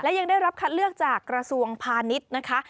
และยังได้รับคัดเลือกจากกระทรวงพาณิชย์นะคะ